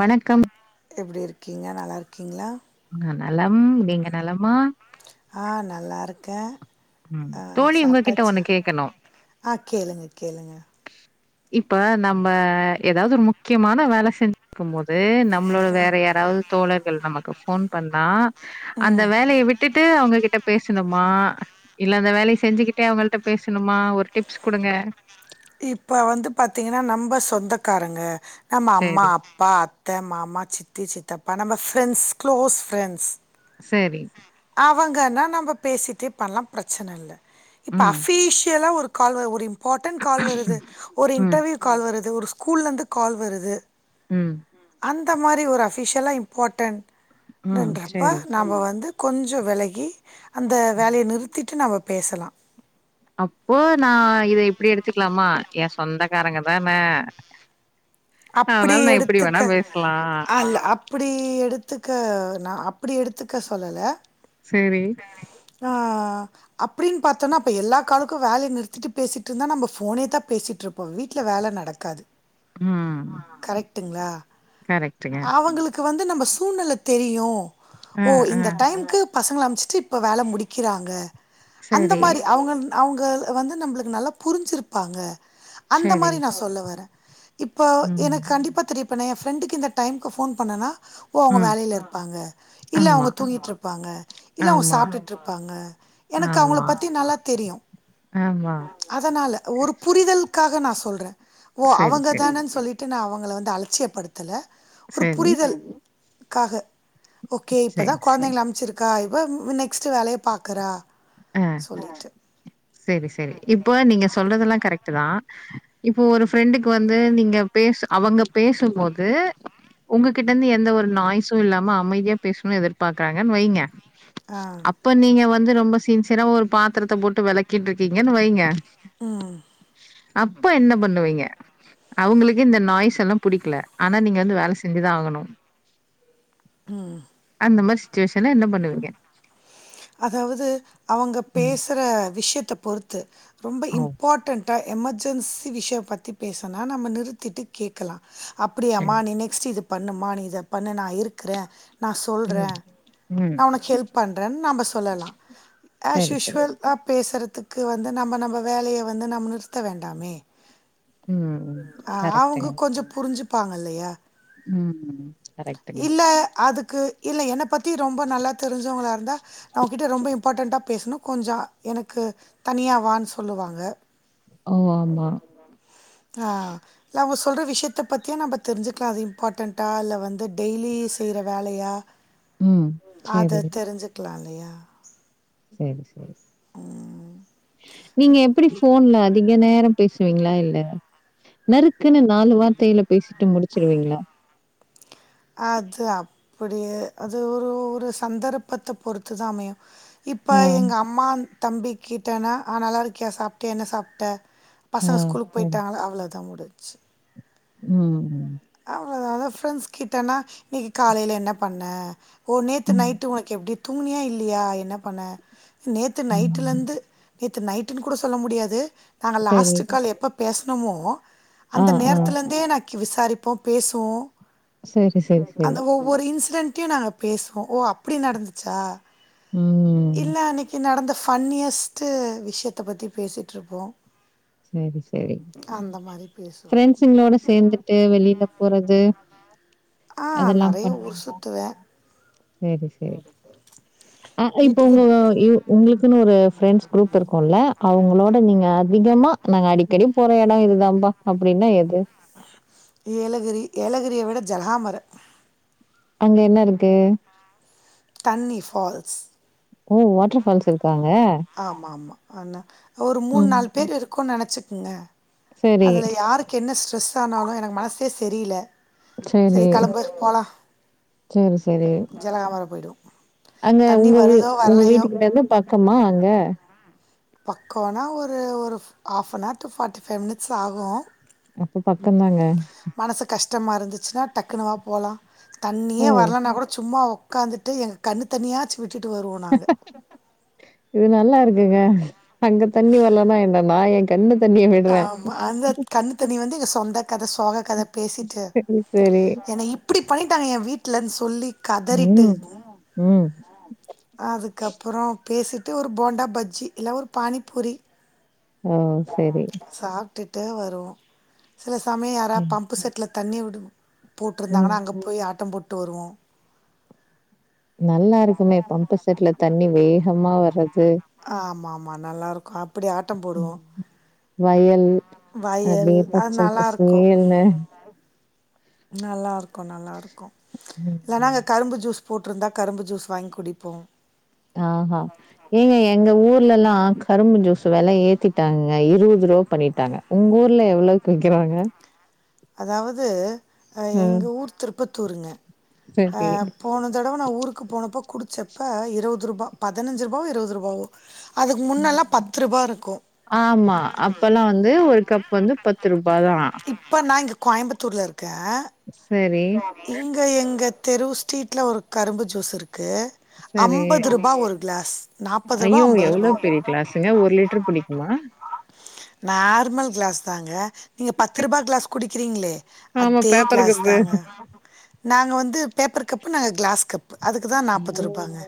வணக்கம் எப்டி இருக்கீங்க நல்லாருக்கீங்ளா நா நலம் நீங்க நலமா ஆ நல்லாருக்கே ம் ஆ தோழி உங்ககிட்ட ஒண்ணு சாப்ட்டாச்சா கேட்கணு ஆ கேளுங்க கேளுங்க இப்ப நம்ம எதாவ்து ஒரு முக்கியமான வேல செஞ்சுட்ருக்கு போது நம் நம்மளோட வேற யாராவ்து தோழர்கள் நமக்கு ஃபோன் பண்ணா அந்த வேலய விட் ட்டுட்டு அவங்ககிட்ட பேசணுமா இல்ல அந்த வேலைய செஞ்சுக்கிட்டே அவங்கள்ட்ட பேசணுமா ஒரு டிப்ஸ் குடுங்க இப்ப வந்து பாத்தீங்கன்னா நம்ப சொந்தக்காரங்க நம்ம அம்மா சரி, அப் பா அத்த மாமா சித்தி சித்தப்பா நம்ம ஃப்ரெண்ட்ஸ் க்ளோஸ் ஃப்ரெண்ட்ஸ் சேரி அவங்கனா நம்ப பேசிட்டே பண்ணலா பிரச்சன இல்ல இப்ப ம், அஃபிஷியலா ஒரு கால் வ ஒரு இம்பார்ட்டன்ட் கால் வருது ஒரு ம், இன்டர்வியூ கால் வருது ஒரு ஸ்கூல்லருந்து கால் வருது ம், அந்த மாரி ஒரு அஃபிஷியலா இம்பார்ட்டன்ட் ம். சரி, [unintelligible] நாம்ம வந்து கொஞ்சோ வெலகி அந்த சரி. வேலய நிறுத்திட்டு நாம பேசலா அப்போ நா இத இப்பிடி எடுத்துக்கலாமா எ சொந்தக்காரங்க தானே அப்படி அதனால நா எப்பிடி வேணா பேஷ்லா அப்பிடி எடுத்துக்க நா அப்பிடி எடுத்துக்க சொல்லல சேரி ஆ அப்பிடின் பாத்தோன்னா அப்ப எல்லா காலுக்கு வேலய நிறுத்திட்டு பேசிட்டு இருந்தா நம்ம ஃபோனேதா பேசிட்டு இருப் அப்போ வீட்ல வேல நடக்காது ம். கரெக்டுங்களா கரெக்ட்டுங்க. அவங்களுக் கு வந்து நம்ம சூழ்நெல தெரியு ஆ, ஓ ஆ. இந்த டைம்கு பசங்கள அம்ச் சி இப்ப வேல முடிக்கிறாங்க அந்த சரி, மாரி அவுங்க அவுங்க வந்து நம்மளுக்கு நல்லா புரிஞ்சிருப்பாங்க அந்த சரி. மாரி நா சொல்ல வரே இப்போ ம், எனக்கு கண்டிப்பா தெரி இப்ப நா எ ஃப்ரெண்டுக்கு இந்த டைமுக்கு ஃபோன் பண்ணனா இப்போ அவுங்க ம். வேலைல இருப்பாங்க இல்ல ஆமா, அவுங்க தூங்கிட்டு இருப்பாங்க இல்ல அவுங்க ஆமா, சாப்டுட்டு இருப்பாங்க எனக்கு அவுங்கள ஆமா, பத்தி நல்லா தெரியு ஆமா. அதனால ஒரு பு ரிதல்க்காக நா சொல்றே ஓ சரி, சரி, அவங்கதான சொல்லிட்டு நா அவங்கள வந்து அலட்சியப்படுத் தல ஒரு சரி, புரிதல் காக ஓகே சரி, இப்பதா சரி. கொழந்தைங்கள அம்ச்சிருக்கா வ நெக்ஸ்ட் வேலைய பாக்குறா அ ஒய்ட்டு செரி செரி இப்ப நீங்க சொல்றதெல்லா கரெக்ட்டு தா இப்போ ஒரு ஃப்ரெண்டுக்கு வந்து நீங்க பேசு அவங்க பேசும்போது உங்ககிட்ட இருந்து எந்த ஒரு நாய்ஸு இல்லாம அமைதியா பேசணு எதிர்பாக்குறாங்கன் வைங்க அ இப்ப நீங்க வந்து ரொம்ப சின்சியரா ஒரு பாத்திரத்த போட்டு வெளக்கிட்டு இருக்கீங்கன் வைங்க அ அப்ப என்ன பண்ணுவீங்க அவுங்களுக்கு இந்த நாய்ஸ் எல்லா புடிக்கல ஆனா நீங்க வந்து வேல செஞ்சுதா ஆகணு ம் அந்த மாரி சிட்சுவேஷன்ல என்ன பண்ணுவீங்க அதாவது அவங்க ம் பேசுற விஷ்யத்த பொறுத்து ரொம்ப ஓ இம்பார்ட்டன் ட்டா எமர்ஜென்சி விஷய பத்தி பேசனா நம்ம நிறுத்திட்டு கேக்கலா அப்டியமா சரி நீ நெக்ஸ்ட்டு இது பண்ணுமா நீ இத பண்ணு நா இருக்குற நா சொல்ற ம் ம் நா உனக்கு ஹெல்ப் பண்றன் நம்ப சொல்லலா அஸ் சரி சரி யூஷுவல் லா பேசுறதுக்கு வந்து நம்ம நம்ம வேலைய வந்து நம்ம நிறுத்த வேண்டாமே ம் ம் அ அவுங்க கரெக்ட்டுங்க கொஞ்ச புரிஞ்சுப்பாங்கல்லயா ம் கரெக்ட்டுங்க இல்ல அதுக்கு இல்ல என்ன பத்தி ரொம்ப நல்லா தெரிஞ்சவங்களா இருந்தா நா உ கிட்ட ரொம்ப இம் பாட்டன்டா பேசணு கொஞ்ச எனக்கு தனியா வா ன்னு சொல்லுவாங்க ஓ ஆமா ஆ இல்ல அவுங்க சொல்ற விஷ்யத்த பத்தியு நம்ப தெரிஞ்சிக்கலா அது இம்பார்ட்டண்டா இல்ல வந்து டெய்லி செய்ற வேலையா ம் அத சரி தெரிஞ்சுக்கலா இல்லையா செரி செரி உ நீங்க எப்படி ஃபோன்ல அதிக நேரோ பேசுவீங்களா இல்ல நறுக்குன்னு நாலு வார்த்தையில பேஸிட்டு முடிச்சிருவீங்களா அது அப்புடியே அது ஒரு ஒரு சந்தர்ப்பத்த பொறுத்து தா அமையு இப்ப ஆ எங்க அம்மா தம்பிக்கிட்டனா ஆ நல்லா இருக்கியா சாப்ட்டியா என்ன சாப்ட்ட ஆ பசங்க ஸ்கூலுக்கு சரி போயிட்டாங்களா அவ்வளதா முடிஞ்ச்சு உ அவ்ளோ அதா ஃப்ரெண்ட்ஸ் கிட்டன்னா இன்னைக்கி காலைல என்ன பண்ண ஓ நேத்து ம் நைட்டு உனக்கு எப்டி தூங்குனியா இல்லையா என்ன பண்ண நேத்து நைட்டுல ம் இந்து நேத்து நைட்டுன்னு கூட சொல்ல முடியாது நாங்க சரி லாஸ்ட்டு கால் எப்ப பேசுனோமோ ஆ அந்த ஆ நேரத்துல இந்தே நா விசாரிப்போ பேசுவோ சரி சரி சரி அந்த ஒவ் ஒரு இன்சிடென்டயு நாங்க பேசுவோ ஓ அப்டி நடந்துச்சா ம் இல்ல அன்னைக்கு நடந்த ஃப ஃபன்னியஸ்ட்டு விஷயத்த பத்தி பேசிட்ருப்போ சேரி சேரி அந்த மாரி பேசுவோ. ஃபிரெண்ஸுங்களோட சேந்து ட்டு வெளில போறது ஆ அதெல்லா நெறைய ஊர் பண்ணுவீங்களா சுத்துவே. சேரி சேரி ஆ இப்ப உங்க வீட்டுக்கு யு உங்குளுக்குன்னு ஒரு ஃப்ரெண்ட்ஸ் குரூப் இருக்கும்ல அவங்களோட நீங்க அதிகமா நாங்க அடிக்கடி போற எடோ இதுதாம்பா அப்டின்னா எது ஏலகிரி ஏலகிரிய விட ஜல்ஹாம்மரு அங்க என்ன இருக்கு தண்ணி ஃபால்ஸ் ஓ வாட்டர் ஃபால்ஸ் இருக்காங்க ஆமா ஆமா அண்ண ஒரு மூணு ம். நாலு பேரு இருக்கோனு நெனச்சிக்குங்க சரி, அதுல யாருக் கென்ன ஸ்ட்ரெஸானாலு எனக்கு மனஸே ஸெரில சரி கெளம்பு போலா சரி, சரி. ஜலகாமர் பொய்டோ அங்க உங்க உங்க வீட்டு கிட்ட இருந்து பக்கமா அங்க பக்கொனா ஒரு ஒரு half an hour to forty five minutes ஆகு அப்ப பக்கந்தாங்க க மனசு கஷ்டமா இருந்துச்னா டக்குனுவா போலா ஓ! தண்ணியே வரலானா கூட சும்மா ஒ ஒக்காந்துட்டுஎங்க கண்ணு தனியாச்சு விட்டுட்டு வருவோ நாங்க இது நல்லா இருக்குங்க அங்க தண்ணி வரலனா என்ன நா ஏ கண்ணு தண்ணிய விடுறேன். ஆமா அந்த கண்ணு தண்ணி வந்து எங்க சொந்த கத சோக கத பேசிட்டு சரி, சரி. என இப் இப்டி பண்ணிட்டாங்க ஏ வீட்லன்னு சொல்லி கதறிட்டு ம். ம். அதுக்கப்பறொ பேசிட்டு ஒரு போண்டா பஜ்ஜி இல்லனா ஒரு பானிப்பூரி ஓ சரி சாப்ட்டு ட்டு வருவோ சில சமய யாரா சரி. பம்ப் செட்ல தண்ணி வுட் ம். போட்ருந்தாங்கன்னா அங்கப் போயி ஆட்டொ போட்டு வருவோ நல்லா இருக்குமே பம்பு செட்ல தண்ணி வேகமா வர்றது ஆமா ஆமா நல்லாருக்கு அப்டி ஆட்டொ போடுவோ ம். வயல் வயல் அப்படியே அ பச்சல் நல்லாருக்கு பசேல்னு. நல்லாருக்கு நல்லாருக்கு இல்லனா ம். அங்க கரும்பு ஜூஸ் போட்ருந்தா கரும்பு ஜூஸ் வாங்கி குடிப்போ தானா ஏங்க எங்க ஊர்லல்லா கரும்பு ஜூஸ் வெல ஏத்திட்டாங்கங்க இருவதுரு பண்ணிட்டாங்க உங்கூர்ல எவ்ளவுக்கு விக்கிறாங்க அதாவது ம். எங்க ஊர் திருப்பத்தூருங்க அ சரி. போன தடவ நா ஊருக்கு போனப்போ குடிச்சப்ப இருவது ரூபா பதினஞ்சு ரூபாவோ இருவது ரூபாவோ அதுக்கு ம். முன்னலா பத்துருபா இருக்கு ஆமா அப்பெல்லா வந்து ஒரு கப் வந்து பத்துருபா தா இப்போ நா இங்க கோயம்புத்தூர்ல இருக்கே சரி இங்க எங்க தெரு ஸ்ட்ரீட்ல ஒரு கரும்பு ஜூஸ் இருக்கு சரி. அம்பதுருபா ஒரு கிளாஸ் நாப்பதுருபா ஐயோ! எவ்வளோ அம்பதுருபா பெரிய கிளாஸுங்க. லிட்டர் பிடிக்குமா? நார்மல் கிளாஸ் தாங்க நீங்க பத்துருபா க்ளாஸ் குடிக்கிறீங்ளே ஆமா அதே பேப்பர் கிளாஸ் கப் தாங்க நாங்க வந்து பேப்பர் கப்பு நாங்க கிளாஸ் கப்பு அதுக்குதா நாப்பதுருபாங்க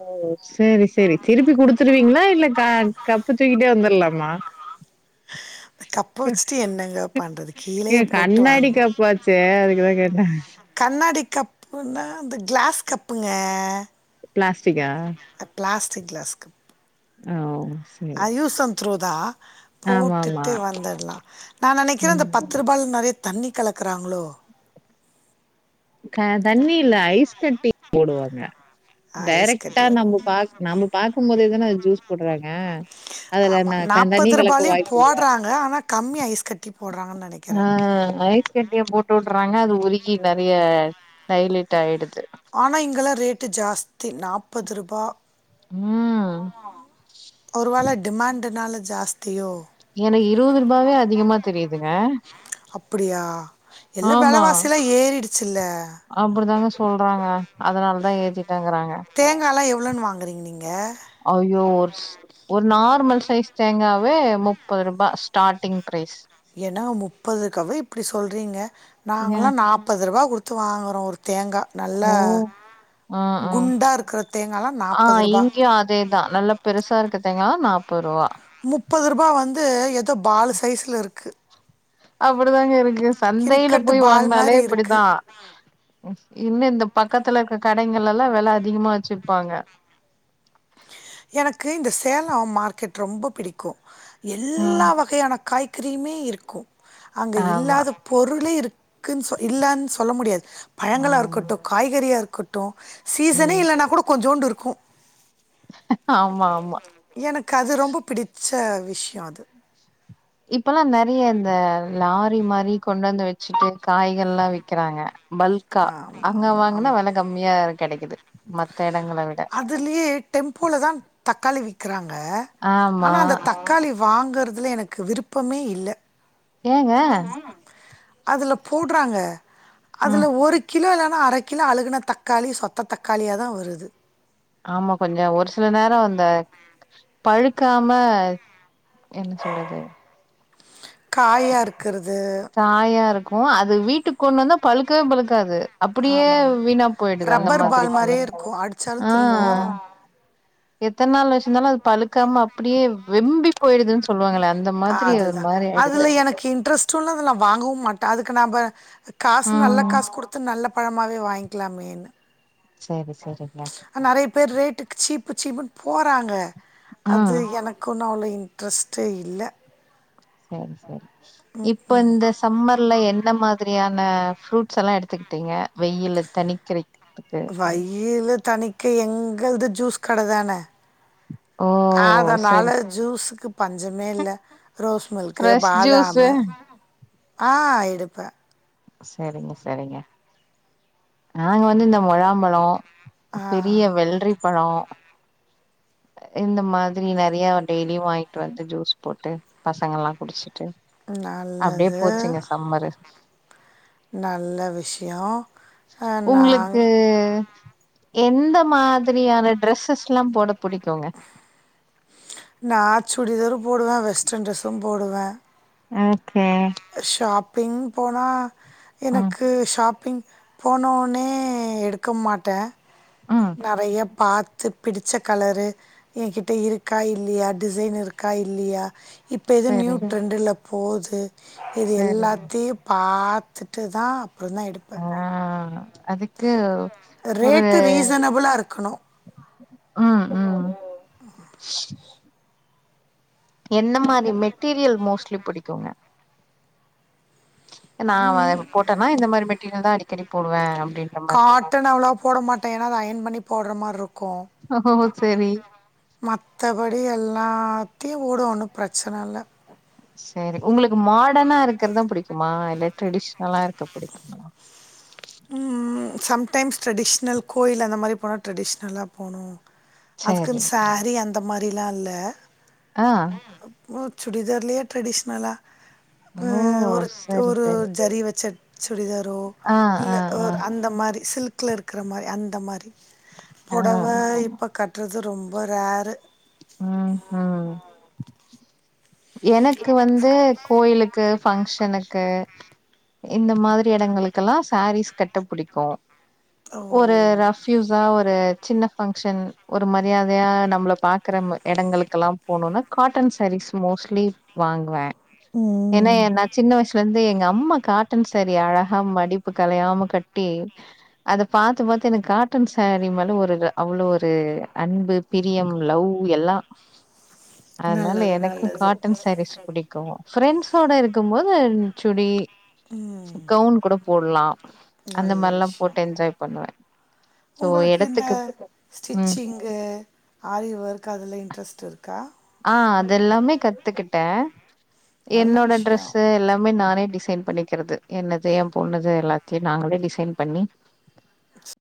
சேரி சேரி திருப்பி குடுத்துருவீங்ளா இல்ல க கப்ப தூக்கிட்டே வந்துர்லாமா [inaudible] கப்ப வச்சுட்டு என்னங்க பண்றது ஏ கீழேயே போட்டு வாங் கண்ணாடி கப்பாச்சே அதுக்குதா கேட்டே. கண்ணாடி கப்புனா அந்த கிளாஸ் கப்புங்க பிளாஸ்டிக்கா பிளாஸ்ட் கிளாஸ்கு ஒள அது. யூஸன் த்ரோதா ஆமாமா. போட்டுட்டு வந்துர்லா நா நெனைக்கிறே அந்த ம். பத்து ரூபால் நெறைய தண்ணி கலக்குறாங்ளோ க தண்ணி இல்ல ஐஸ் கட்டி போடுவாங்க ஐஸ் டேரக்ட்டா கட்டி நம்ம பாக் நம்ம பாக்கும் போதே தான ஜூஸ் போட்றாங்க அதுல ஆமா நா தண்ணி நாப்பது கலக்க ரூபாலயு வாய்ப்பு இல்ல போடுறாங்க ஆனா கம்மி ஐஸ் கட்டி போடுறாங்கான் நெனைக் அ ஐஸ் கட்டிய போட்டு உட்றாங்க அது உருகி நெறைய டைல்யூட் ஆயிடுது ஆனா இங்கல்லா ரேட்டு ஜாஸ்தி நாப்பதுருபா உம் ஒருவேல டிமாண்ட்டுனால ஜாஸ்தியோ எனக்கு இருவதுருபாவே அதிகமா தெரியுதுங்க யா எல்லா வெலவாசில்ல ஏறிடுச் ச்சில்ல அப்டி தாங்க சொல்றாங்க அதனால தா ஏத்திட்டங்றாங்க தேங்கால்லா எவ்ளோன் வாங்குறீங் நீங்க அய்யோ ஒருஸ் ஒரு நார்மல் சைஸ் தேங்காவே முப்பதுருபா ஸ்டார்டிங் ப்ரைஸ் ஏன்னா முப்பதுக்காவே இப்படி சொல்றீங்க ஏ நாங்கல்லா நாப்பதுருபா குடுத் த்து வாங்குறோ ஒரு தேங்கா நல்லா ஓ ஆ ஆ குண்டா இருக்குற தேங்கால்லா ஆ நாப்பதுருபா இங்கயு அதேதா நல்லா பெருசா இருக்கத் தேங்காளா நாப்பதுருபா முப்பதுருபா வந்து எதோ பாலு சைஸ்ஸுல்ல இருக்கு அப்பிடிதாங்க இருக்கு சந்தையில கிரிக்கெட்டு போய் பால் வாங்னாலே மாரி இருக்கு இப்பிடிதா இன்ன இந்த பக்கத்துல இருக்க கடைங்கலெல்லா வெல அதிகமா வச்சுப்பாங்க எனக்கு இந்த சேலோ மார்க்கெட் ரொம்ப பிடிக்கோ எல்லா ம் வகையான காய் கறியுமே இருக்கு அங்க ஆமா இல்லாத பொருளே இருக்குன் சொ இல்லன் சொல்ல முடியாது பழங்களா ம் இருக்கட்டு காய்கறியா இருக்கட்டு சீசனே ம் இல்லன்னா கூட கொஞ்சோண்டு இருக்கு ஆமா ஆமா எனக்கு அது ரொம்ப பிடிச்ச விஷ்யோ அது இப்பெல்லா நெறைய இந்த லாரி மாரி கொண்டு வந்து வெச்சிட்டு காய்கள்லா விக்கறாங்க பல்க்கா ஆமா, அங்க ஆமா, வாங்கனா ஆமா. வெல கம்மியா இ கெடைக்கிது மத் அதிலியே டெம்போலதா தக்காளி விக்கிறாங்க ஆமா ஆனா அந்த தக் க்காளி வாங்றதுல எனக்கு விருப்பமே இல்ல ஏங்க அதலப் போடறாங்க ம் அதுல ஒரு கிலோ இல்லன்னா அர கிலோ அழுகுன தக்காளி சொத்த தக்காளியா தா வருது ஆமா கொஞ்ச ஒரு சில நேரோ அந்த பழுக்காம என்ன சொல்லது காயா இருக்கறது காயா இருக்கு அது வீட்டுக் கொண்டு வந்தா பழுக்கவே பழுக்காது அப்பிடியே ஆமா ஆமா வீணா போயிடுது அந்த ரப்பர் மாதிரி பால் பழ மாரியே இருக்கு அடிச்சாலு அ திரும்ப வரு எத்த நாள் வச்சிருந்தாலு அது அப்டியே வெம்பி போயிடுதுன் சொல்லுவாங்கள ஆ அதுதா அதுல எனக்கு இன்ட்ரெஸ் ட்ருல்ல அதலா வாங்கவுமாட்ட அதுக்கு நம்ப காசு நல்ல ம் காசு குடுத்து நல்ல பழமாவே வாங்கிலாமேன்னு சேரி சேரிங்க அ நெறைய பேர் ரேட்டுக்கு சீப்பு சீப்புனு போறாங்க அது ம் எனக் க்குன் அவ்ளோ இன்ட்ரெஸ்ட்டே இல்ல சரி சரி இப்ப இந்த சம்மர்ல என்ன மாதிரியான ஃப்ரூட்ஸ் எல்லா எடுத்துக்கிட்டிங்க வெயில தணிக்கிரக்த்துக்கு வயில தனிக்க எங்கள்து ஜூஸ் கடதான ஓ ஆதனால சரி ஜூஸுக்கு பஞ்சமே இல்ல ரோஸ் மில்க்கு ஃப்ரெஷ் ஜூஸு பாதாமு ஆ எடுப்பே சேரிங்க சேரிங்க நாங்க வந்து இந்த மொழாம்பலோ ஆ பெரிய வெள்ரி பலோ [inaudible] இந்த மாதிரி நெறைய டெய்லியு வாங்கிட்டு வந்து ஜூஸ் போட்டு பசங்க எல்லா குடிச்சி ட்டு அப்டியே நல்லது போச்சிங்க சம்மரு நல்ல விஷ்யோ உங்களுக்கு எந்த மாதிரியான ட்ரெஸ்ஸஸ்ல்லா போட புடிக்குங்க நா சுடிதாரு போடுவே வெஸ்டர்ன் ட்ரெஸ்ஸு போடுவே ஆகே ஷாப்பிங் போனா ம் எனக்கு ஷாப்பிங் போனோனே எடுக்கமாட்ட ஆ நறையா பாத்து பிடிச்ச கலரு என் கிட்ட இருக்கா இல்லீயா டிசைன் இருக்கா இல்லீயா இப்ப எது நியூ சரி ட்ரெண்டுல போது இது சரி எல்லாத்தியு பாத்துட்டு தான் அப்புடி தான் எடுப் ஆ அதுக்கு ஒரு ரேட்டு ரீசனபுளாக இருக்கணும் ம் ம் என்ன மாரி மெட்டீரியல் மோஸ்ட்லி புடிக்குங்க நா போட்டேனா இந்த மாரி மெட்டீரியல் தான் அடிக்கடி போடுவேன் அப்டின்னு காட்டன் அவ்ளவா போட மாட்டேன் ஏன்னா அத அயன் பண்ணி போடுற மாரி இருக்கோ ஓ சரி மத்த படி எல்லாத்தையு ஓடு ஒன்னு பிரச்சன இல்ல செரி உங்களுக்கு மாடன்னா இருக்கறதான் புடிக்குமா இல்ல ட்ரெடிஷனலா இருக்க புடிக்கும்மா சம்டைம்ஸ் ட்ரெடிஷ்னல் கோயில் அந்த மாரி போனா ட்ரெடிஷ்னலா போனு சரி அதுக்குன்னு சேரி அந்த மாரிலா இல்ல ஆ ஓ சுடிதார்லையே ட்ரெடிஷ்னலா ஓ ஒரு சரி ஒரு சரி ஜரி வெச்ச சுடிதாரோ ஆ இல்ல ஆ ஆ ஒரு அந்த மாரி சில்க்ல இருக்க மாரி அந்த மாரி ஆ பொடவ இப்ப கட்றது ரொம்ப ரரு ம் ம் எனக்கு வந்து கோயிலுக்கு ஃபங்க்ஷனுக்கு இந்த மாரி யெடங்களுக்கெல்லா சரீஸ் கட்ட பிடிக்கோம் ஓ ஒரு ச்யுசா ஒரு சின்ன பங்ஷன் ஒரு மரியாதையா நம்பள பாக்க இருக்குற இடங்களுக்கெல்லாம் போணுன்னா காட்டன் சரீஸ் மோஸ்ட்லி வாங்குவேன் ஏன்னா ம் நா சின்ன வயசுல இருந்து எங்க அம்மா காட் டன் சாரி அழகா மடிப்பு கலையாம கட்டி அத பாத்து பாத்து எனக்கு காட்டன் ஸ்சரி மேல ஒரு அவ்ளோ ஒரு அன்பு பிரியம் லவ் எல்லா அதனால நல்லது எனக்கு நல்லது காட்டன் சாரீஸ் பிடிக்கோம் ஃப்ரெண்ட்ஸோட இருக்கும் மோது சுடி ம் கவுன் கூட போட்லாம் அந்த நல்ல மார்லா விஷ்யோ போட்டு என்ஜாய் பண்ணுவேன் சோ இடதுக்கு ம் இது ஆரி ஒர்க் அதுல இன்ட்ரெஸ்ட் இருக்கா ஆ அதெல்லாமே கத்துக்கிட்டேன் நல்ல என்னோட விஷ்யோ ட்ரெஸ்ஸு எல்லாமே நானே டிசைன் பண்ணிக்கிறது என்னது என் பொண்ணுது எல்லாத்தையும் நாங்களே டிசைன் பண்ணி